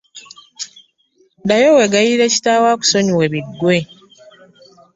Ddayo weegayirire kitaawo akusonyiwe biggwe.